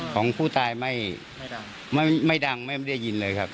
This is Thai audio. ของผู้ตายไม่ดังไม่ได้ยินเลยครับ